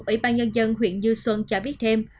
ủy ban nhân dân huyện như xuân cho biết thêm